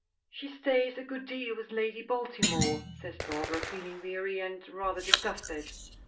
"She stays a good deal with Lady Baltimore," says Barbara, feeling weary, and rather disgusted.